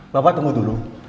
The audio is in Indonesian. bapak tunggu dulu